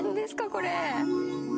これ。